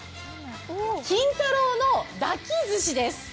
金太郎のだきずしです。